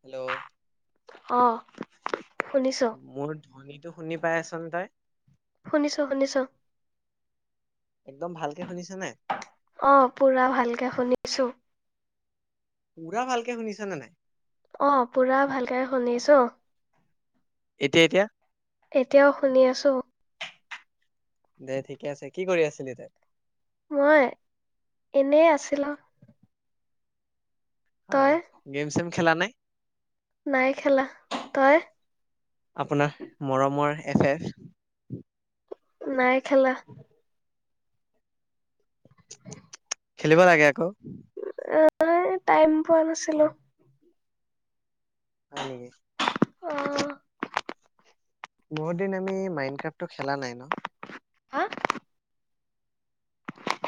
Hello অ শুনিছো মোৰ ধনী টো শুনি পাই আছনে তই শুনিছোঁ শুনিছোঁ একদম ভালকে শুনিছ নাই অ পুৰা ভালকে শুনিছো পুৰা ভালকে শুনিছানে নাই অ পুৰা ভালকে শুনিছো এতিয়া এতিয়া এতিয়াও শুনি আছো দে ঠিকে আছে। কি কৰি আছিলি তই? মই, এনে আছিলো। হয়, তই গেম-চেম খেলা নাই। নাই খেলা তই আপোনাৰ মৰমৰ এফ-এফ। নাই খেলা। খেলিব লাগে আকৌ। অ', এই টাইম পোৱা নাছিলো। হয় নেকি। অ বহুত দিন, আমি মাইনক্ৰাফ্টটো খেলা নাই ন হা।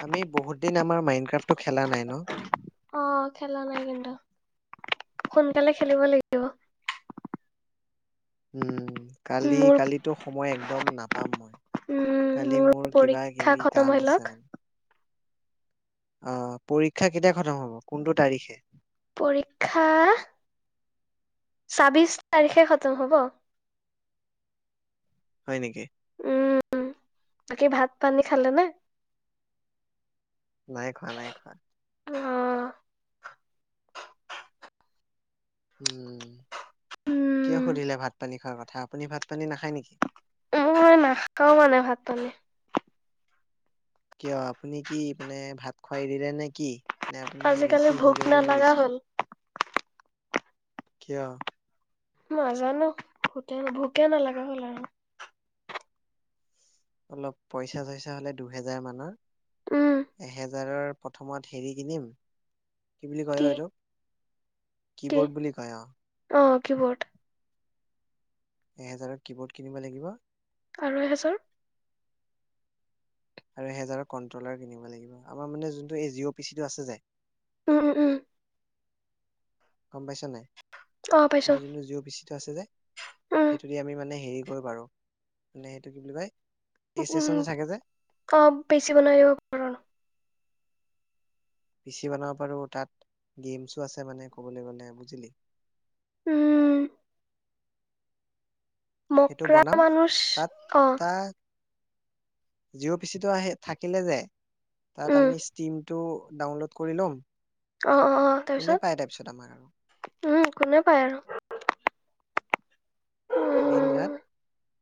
আমি বহুত দিন, আমাৰ মাইনক্ৰাফ্টটো খেলা নাই ন। অ', খেলা নাই কিন্তু। সোনকালে খেলিব লাগিব। উম মোৰ কালি-কালিতো সময় একদম নাপ পাম উম কালি মোৰ পৰীক্ষা কিবাকিবি খতম কাম হৈ আছে লওক মানে। অহ, পৰীক্ষা কেতিয়া খতম হব, কোনটো তাৰিখে? পৰীক্ষা ছাব্বিশ তাৰিখে খতম হব। হয় নেকি। উম, বাকী ভাত, পানী খালে নে? নাই খোৱা, নাই খোৱা। অহ উম, কিয় উম, সুধিলে ভাত, পানী খোৱা কথা, আপুনি ভাত, পানী নাখায় নেকি? মই মানে নাখাওঁ মানে ভাত পানী। কিয় আপুনি কি মানে ভাত খোৱা এৰিলে নেকি? আজিকালি ভোক নালাগা হ'ল। কিয়? নাজানো, ভোকে ভোকে নালাগা হ'ল আৰু। অলপ পইচা চইচা হ'লে দুহেজাৰ মানৰ। উম, এহেজাৰৰ প্ৰথমত হেৰী কিনিম। কি বুলি কয় অ এইটো? কিবোৰ্ড বুলি কয় আৱ। কিবোৰ্ড। এহেজাৰত কিবোৰ্ড কিনিব লাগিব। আৰু এহেজাৰ? আৰু এহেজাৰৰ কন্ট্ৰলাৰ কিনিব লাগিব। আমাৰ মানে যোনটো এই জিঅ' পিচিটো আছে যে উম উম উম। গম পাইছা নাই? অ, পাইছো আমাৰ যোনটো জিঅ' অফিচটো আছে যে, উম, সেইটো দি আমি মানে হেৰী কৰিব পাৰোঁ। মানে সেইটো কি বুলি কয়? এই উম ষ্টেচন যে উমহ, থাকে যে অ পি চি বনাইও ধৰণৰ পি চি বনাব পাৰোঁ তাত গেমছো আছে মানে ক'বলে গ'লে বুজিলি? উম সেইটো মকৰা বনাম মানুচ, তাত অ তাত জিঅ' পি চিটো আহি থাকিলে যে, তাত উম, আমি ষ্টিমটো ডাউনলোড কৰি লও অ অ অ, তাৰপিছত, আমাক আৰু উম, কোনে পায় আৰু দিন, উম, ৰাত,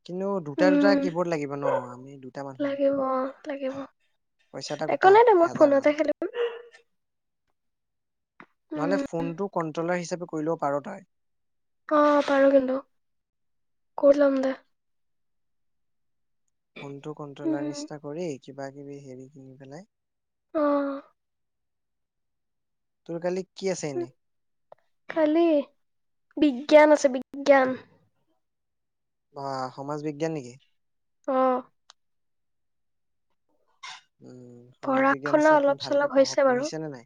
কিন্তু দুটা দুটা উম, কি বৰ্ড লাগিব নহ, আমি দুটা মানুহ। লাগিব অ, লাগিব পইছা এটা একো গোটা, নাই দে মই হাজাৰ ফোনতে মান। খেলিম নহলে উম, ফোনটো কন্ট্ৰলাৰ হিচাপে কৰি লব পাৰোঁ তই অ পাৰোঁ কিন্তু, কৰি লম দে ফোনটো উম কণ্ট্ৰলাৰ নিচিনা কৰি কিবা কিবি হেৰি কিনি পেলাই অ তোৰ কালি কি আছে এনে? কালি বিজ্ঞান আছে বিজ্ঞান। বা সমাজ বিজ্ঞান নেকি? অ উম সমাজ পঢ়া বিজ্ঞান শুনা আছে আপুনি অলপ ভালকে চলপ পঢ়ক। হৈছে বাৰু পঢ়িছে নে নাই?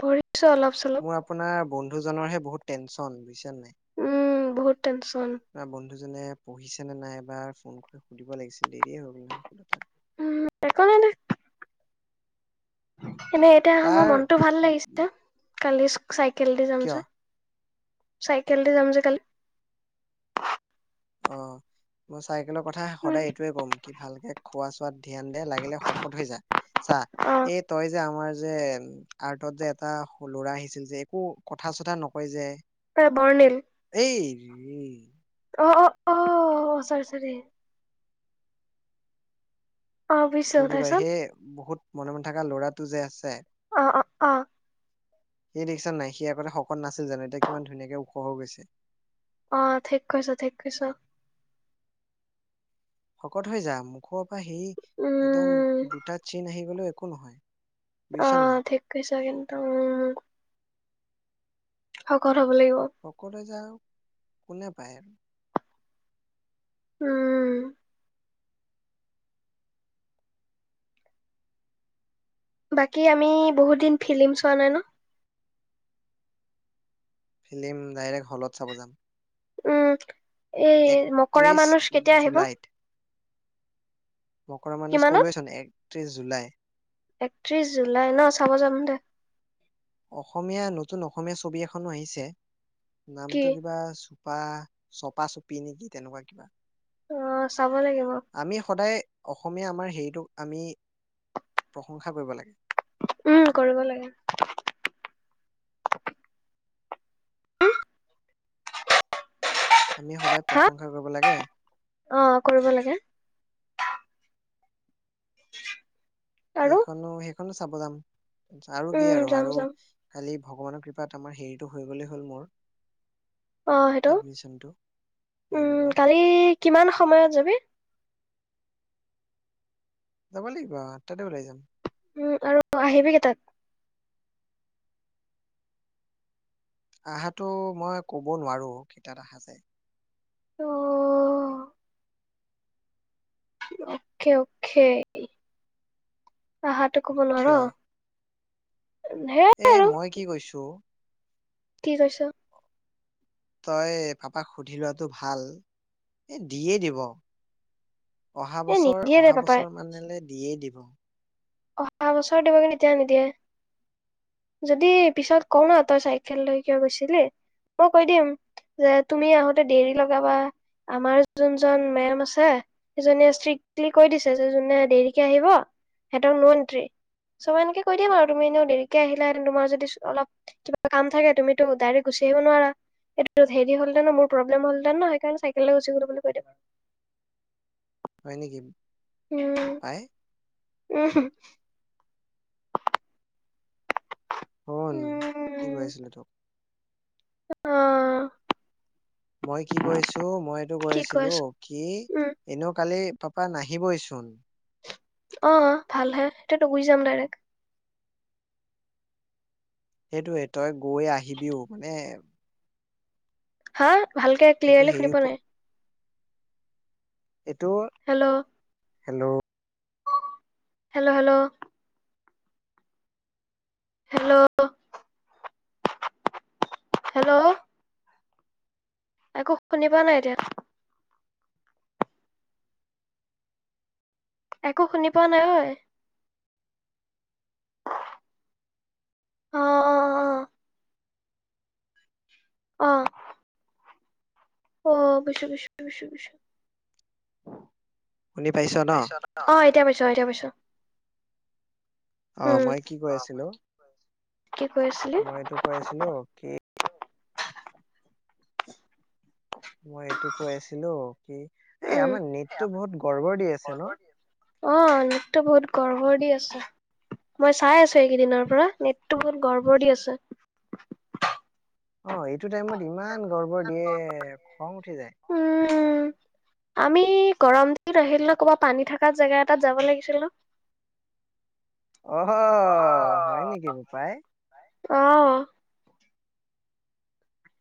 পঢ়িছো অলপ চলপ মোৰ আপোনাৰ আ বন্ধু জনৰ হে বহুত টেনচন হৈছে। উম বহুত টেনচন। মানুহজনে পঢ়িছে নে নাইবা ফোন কৰি সুধিব লাগিছিল। দেৰিয়ে হ'ল না কথা টো উম একো নাই দে এনে এতিয়া মোৰ তাৰ মনটো ভাল লাগিছে। কালি স্ চাইকেল দি যাম কিয় যে। চাইকেল দি যাম যে কালি। অ বাছ চাইকেলৰ কথা সদায় এইটোৱে ক'ম, কি ভালকৈ খোৱা চোৱাত ধ্যান দিয়া লাগিলে শকত হৈ যোৱা। চা অ এই তই যে আমাৰ যে আৰ্টত যে এটা ল'ৰা আহিছিল যে একো কথা চথা নকয় যে এ বৰ্ণিল এই অ অ অ অ চাৰ চাৰ বুজিছো কি বুলি কয় তাৰপিছত সেই বহুত মনে মনে থকা ল'ৰা টো যে আছে অ অ অ সেই ৰিক্সা নাই সি আগতে শকত নাছিল জানো এতিয়া কিমান ধুনীয়াকে ওখ হৈ গৈছে অ ঠিক কৈছ ঠিক কৈছ শকত হৈ যাম মুখত সি একদম উম দুটা চীন আহি গলে একো নহয় বুজিছা নে নাই আহ ঠিক কৰিৈছে কিন্তু উ অ ক অকলে যাও কোনে পাই আৰু উম বাকী আমি বহুত দিন ফিল্ম চোৱা নাই নহ ফিল্ম ডাইৰেক্ট হলত চাব যাম। উম এই মকৰা একত্ৰিশ মানুচ কেতিয়া আহিব? মকৰা মানুহচ কিমানত? ক'লোৱে ছোন এক ত্ৰিছ জুলাই। একত্ৰিশ জুলাই ন চাব যাম দে। অসমীয়া নতুন অসমীয়া ছবি এখনো আহিছে। কি? নামটো কিবা আ চপা চপি নেকি তেনেকুৱা কিবা। অ' চাব লাগিব। আমি সদায় অসমীয়া আমাৰ হেৰিটোক আমি প্ৰশংসা কৰিব লাগে। উম কৰিব লাগে। উম, আমি সদায় হা? প্ৰশংসা কৰিব লাগে। অ' কৰিব লাগে। আৰু? এইখনো সেই সেইখনো চাব যাম। আৰু কি উম, আৰু যাম আৰু যাম। খালি ভগৱানৰ কৃপাত আমাৰ হেৰিটো হৈ গ'লেই হ'ল মোৰ। অ' সেইটো। এডমিশনটো বি উম! বৰুৱাত কালি কিমান সময়ত যাবি? যাব লাগিব আঠটাতে ওলাই যাম। উম আৰু আহিবি নেকি তাত? আহাতো মই কব নোৱাৰো, কেইটাত আহা যায়। অহ অকে, অখে, আহাতো কব নোৱাৰ সেয়াই এ, আৰু মই কি কৈছো কি কৈছ? তই পাপাক সুধি লোৱাটো ভাল, এ দিয়েই দিব অহা এ বছৰ, নিদিয়ে দে অহা পাপাই। বছৰ মানলে দিয়েই দিব [unintelligible] অহা বছৰ দিব কিন্তু এতিয়া নিদিয়ে, যদি পিছত কও নহ তই চাইকেললৈ কিয় গৈছিলি, মই কৈ দিম যে তুমি আহোতে দেৰি লগাবা, আমাৰ যোনজন মেম আছে, সেইজনীয়ে ষ্ট্ৰিক্টলি কৈ দিছে যে যোনে দেৰিকে আহিব সিহঁতৰ নো এন্ট্ৰী, চব এনেকে কৈ দিম আৰু তুমি এনেও দেৰিকে আহিলা তোমাৰ যদি অলপ কিবা কাম থাকে, তুমিতো ডাইৰেক্ট গুচি আহিব নোৱাৰা, হেৰি হলহতেন নহ, মোৰ প্ৰব্লেম হলহেতেন নহ সেইকাৰণে চাইকেল লৈ গুচি গলো বুলি কৈ দিম। হয় নেকি বোপাই উমহো শুন, কি উম কৈ আছিলো তোক অ মই কি কৈ আছো, মই এইটো কৈ কি আছিলো আছো কি, উম এনেও কালি তপা নাহিবৈ চোন। অ', ভাল হে। তেতিয়া তো গুজি যাম ডাইৰেক্ট। সেইটোয়ে, তই গৈ আহিবিও মানে হা? ভালকে সেইটো ক্লিয়াৰলি হেৰি শুনি ওপ পোৱা নাই। এইটোৰ। Hello hello. Hello, hello. Hello, hello. একো শুনি পোৱা নাই এতিয়া। একো শুনি পোৱা নাই, ঐ। অ', অ', অ। অ। অ', বোইছো-বোইছো-বোইছো-বোইছো। শুনি অ', পাইছ এতিয়া ন পাইছো, অ, এতিয়া পাইছো। অ', উম মই কি কৈ আছিলো, কি কৈ আছিলি মই এইটো কৈ আছিলো কি [unintelligible] মই এইটো কৈ আছিলো, কি এই উম আমাৰ নেটতো বহুত গৰ্বৰ দি আছে ন? অ নেটটো বহুত গৰ্বৰ দি আছে, মই চাই আছো এইকেইদিনৰ পৰা, নেটটো বহুত গৰ্বৰ দি আছে। অ', এইটো টাইমত ইমান গৰ্বৰ দিয়ে, খং উঠি যায়। উম, আমি গৰম দিন আহিলে ক'বা পানী থাকা জেগা এটাত যাব লাগিছিল ন। অ'হ হয় নেকি বোপাই? অ'হ।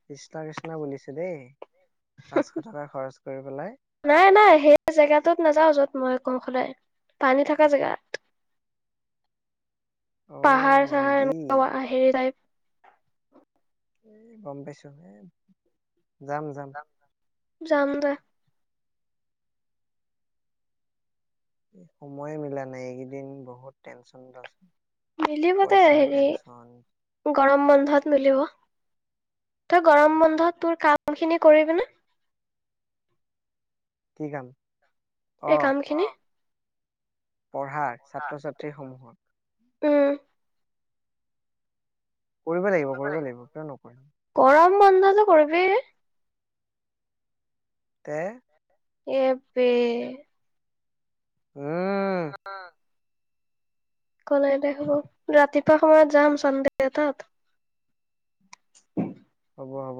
কৃষ্ণ কৃষ্ণ বুলিছে দেই। পাঁচশ টকা খৰচ কৰি পেলাই নাই-নাই সেই জেগাটোত নাযাও যত মই কওঁ সদায়, পানী থকা জেগাত। অ পাহাৰ চাহাৰ নদী আহ এ, গম পাইছো, এ' যাম যাম। যাম দে। সময়ে মিলা নাই এইকেইদিন বহুত টেনচনতআছো। মিলিবতে হেৰি গৰম বন ন্ধত মিলিব, তই গৰম বন্ধত তোৰ কাম খিনি কৰিবিনে? কি কাম? অ এই কামখিনি। পঢ়াৰ, ছাত্ৰ ছাত্ৰীসমূহক উম। কৰিব লাগিব। কৰিব লাগিব। কিয় নকৰিম? বন্ধতে কৰিবি তে? এহ বেহ উম! একো নাই দে শু, ৰাতিপুৱা সময়ত যাম চানডে এটাত। হ'ব। হ'ব।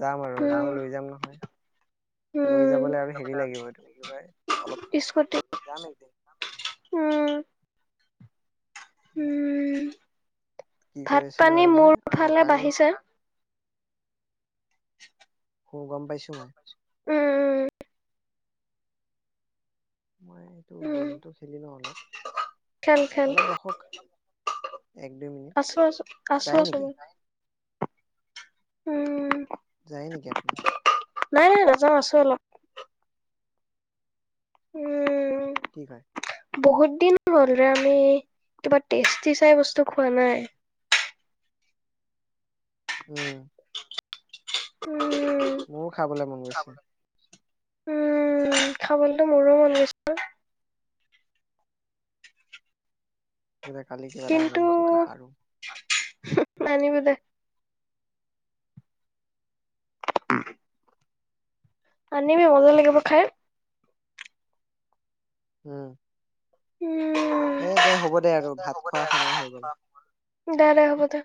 যাম আৰু উম মই লৈ যাম নহয়, লৈ যাবলৈ উম আৰু হেৰি লাগিব, এইটো, কি বুলি কয় অলপ সময় লাগিব স্কুটি আৰু, যাম একদিন। উম উম [inaudible] কি কৈ ভাত আছিলো পানী আৰু মই মোৰ অ ফালে কালি বাঢ়িছে। অঁ গম পাইছো মই। উম। উম। মই এইটো উম গেমটো খেলি লওঁ অলপ, অলপ ৰখক। এক দুই মিনিট আছোঁ আছোঁ, আছোঁ যায় আছোঁ নেকি উম। যায় নেকি আপুনি? নাই নাই নাযাওঁ আছোঁ অলপ। উম। ঠিক হৈ বহুত দিন হ'ল আমি কিবা টেষ্টি চাই বস্ত খোৱা নাই। উম। উম, মোৰো খাবলৈ মন গৈছে। উম খাবলৈতো মোৰো মন গৈছে। বোলে কালি কিবা এটা আনিম যদি পাৰোঁ। মানিব দে। আনিবি মজা লাগিব খাই। উম। উম। এ দে হ'ব দে আৰু ভাত খোৱাৰ সময় হৈ গ'ল। দে দে হ'ব দে।